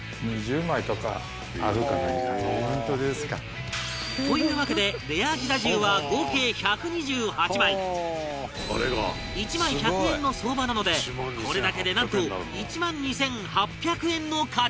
セイン：本当ですか？というわけで、レアギザ１０は合計１２８枚１枚１００円の相場なのでこれだけで、なんと１万２８００円の価値